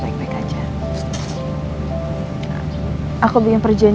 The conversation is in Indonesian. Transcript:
saya harus melakukan kampung